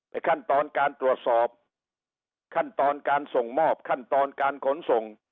ขั้นตอนการตรวจสอบขั้นตอนการส่งมอบขั้นตอนการขนส่ง